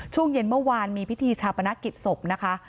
ช่วงเย็นเมื่อวานมีพิธีชาปนกิจศพนะคะ